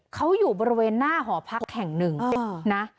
เขาอยู่บริเวณหน้าหอพักแห่งหนึ่งนะ